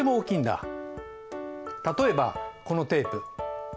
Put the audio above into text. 例えばこのテープ。